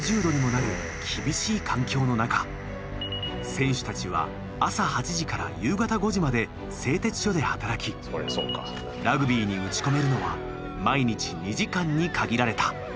選手たちは朝８時から夕方５時まで製鉄所で働きラグビーに打ち込めるのは毎日２時間に限られた。